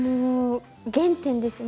原点ですね